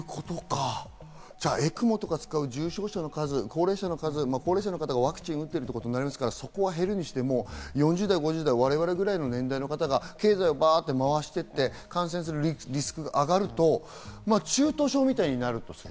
ＥＣＭＯとか使う重症者の数、高齢者の方がワクチンを打っているので、そこは減るにしても、４０代、５０代、我々ぐらいの年代の方が経済をばっと回していって感染するリスクが上がると中等症みたいになるとする。